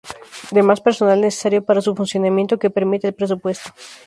Demás personal necesario para su funcionamiento que permita el presupuesto.